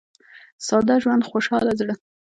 • ساده ژوند، خوشاله زړه.